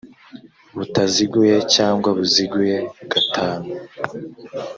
butaziguye cyangwa buziguye gatanu